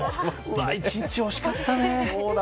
１日、惜しかったね。